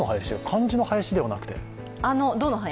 漢字の林ではなくて？